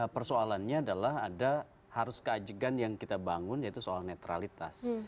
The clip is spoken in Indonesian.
persoalannya adalah ada harus keajegan yang kita bangun yaitu soal netralitas